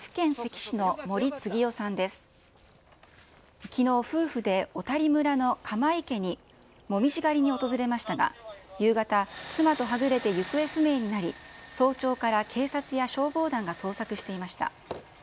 きのう、夫婦で小谷村の鎌池に紅葉狩りに訪れましたが、夕方、妻とはぐれて行方不明になり、早朝から警察や消防団が捜索していました。